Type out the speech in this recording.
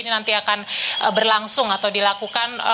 ini nanti akan berlangsung atau dilakukan